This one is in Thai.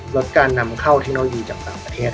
ลดการนำเข้าเทคโนโลยีจากต่างประเทศ